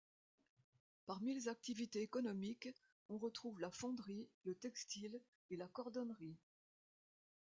Parmi les activités économiques, on retrouve la fonderie, le textile et la cordonnerie.